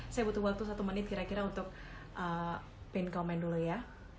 saya butuh waktu satu menit kira kira untuk pin command dulu ya